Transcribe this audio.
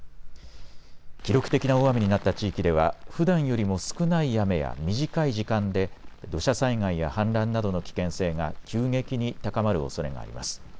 記録的な大雨になった地域ではふだんよりも少ない雨や短い時間で土砂災害や氾濫などの危険性が急激に高まるおそれがあります。